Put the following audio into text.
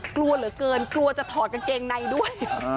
กลัวเหลือเกินกลัวจะถอดกางเกงในด้วย